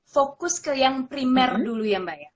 fokus ke yang primer dulu ya mbak ya